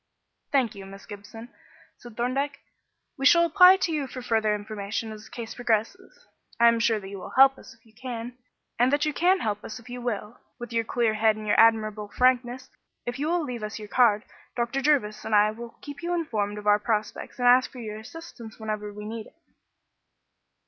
"Thank you, Miss Gibson," said Thorndyke. "We shall apply to you for further information as the case progresses. I am sure that you will help us if you can, and that you can help us if you will, with your clear head and your admirable frankness. If you will leave us your card, Dr. Jervis and I will keep you informed of our prospects and ask for your assistance whenever we need it."